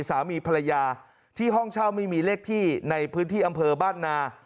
สามีภรรยาที่ห้องเช่าไม่มีเลขที่ในพื้นที่อำเภอบ้านนา